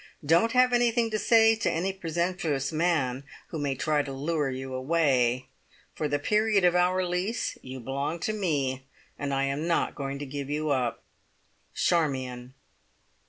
Don't have anything to say to any presumptuous man who may try to lure you away. For the period of our lease you belong to me, and I am not going to give you up. "Charmion."